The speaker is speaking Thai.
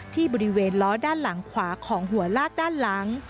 ที่บริเวณล้อด้านหลังขวาของหัวลากด้านหลัง